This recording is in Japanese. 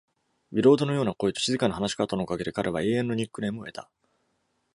ビロードのような声と静かな話し方のおかげで、彼は永遠のニックネームを得た。